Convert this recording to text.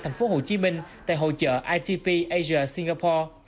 tp hcm tại hội chở itp asia singapore